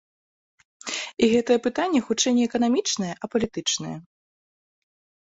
І гэтае пытанне хутчэй не эканамічнае, а палітычнае.